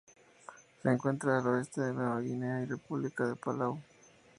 Se encuentra al oeste de Nueva Guinea y República de Palau.